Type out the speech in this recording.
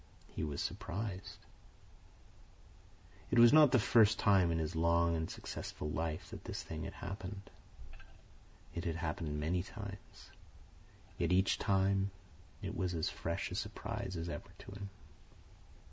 He was surprised. It was not the first time in his long and successful life that this thing had happened. It had happened many times, yet each time it was as fresh a surprise as ever to him.